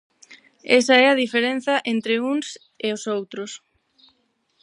Esa é a diferenza entre uns e os outros.